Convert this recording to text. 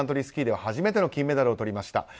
スキーでは初めての金メダルをとりました。